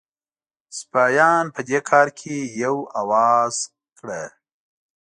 سپاهیان په دې کار کې یو آواز کړه.